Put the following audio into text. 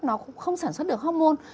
nó không sản xuất được hormôn